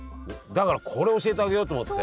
だからこれ教えてあげようと思って。